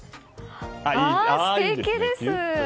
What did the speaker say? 素敵です！